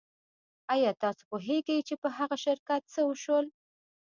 ایا تاسو پوهیږئ چې په هغه شرکت څه شول